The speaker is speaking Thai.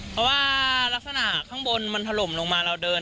เพราะว่ารักษณะข้างบนมันถล่มลงมาเราเดิน